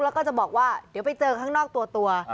แล้วก็จะบอกว่าเดี๋ยวไปเจอข้างนอกตัว